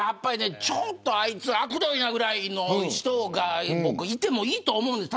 ちょっとあいつあくどいなくらいの人が僕はいてもいいと思うんです。